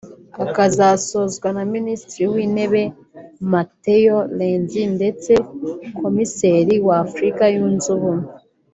ikazasozwa na Minisitiri w’Intebe Matteo Renzi ndetse Komiseri wa Afurika Yunze Ubumwe